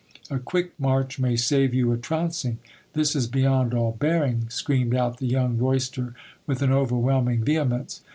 A quick march may save you a trouncing. This is beyond all bearing, screamed out the young royster with an overwhelming ve hemence.